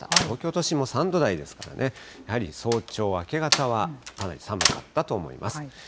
東京都心も３度台ですからね、やはり早朝、明け方はかなり寒かったと思います。